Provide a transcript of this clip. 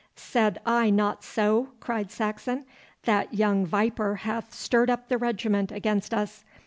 'Said I not so?' cried Saxon. 'That young viper hath stirred up the regiment against us.